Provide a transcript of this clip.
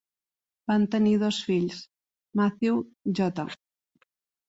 Van tenir dos fills: Matthew J.